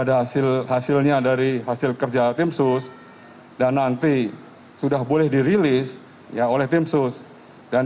ada hasil hasilnya dari hasil kerja tim sus dan nanti sudah boleh dirilis ya oleh tim sus dan